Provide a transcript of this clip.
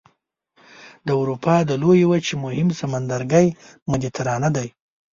د اروپا د لویې وچې مهم سمندرګی مدیترانه دی.